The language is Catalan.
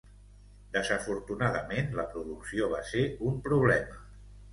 Desafortunadament, la producció va ser un problema.